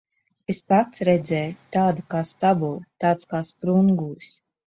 Es pats redzēju. Tāda kā stabule, tāds kā sprungulis.